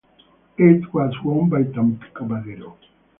It was won by Tampico Madero.